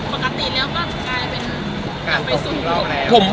ปกติแล้วก็กลายเป็นการไปสู้